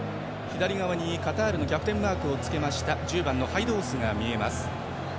左側にカタールのキャプテンマークを着けました１０番のハイドースが見えます。